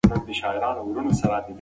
قانون د خلکو حقونه او ازادۍ خوندي کوي.